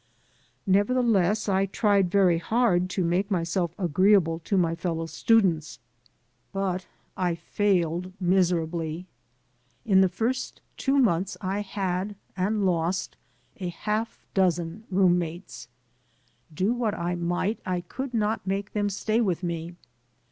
Nevertheless, I tried very hard to make myself agreeable to my fellow students. But I failed 206 IN THE MOLD miserably. In the first two months I had, and lost, a half dozen room mates. Do what I might, I could not make them stay with me.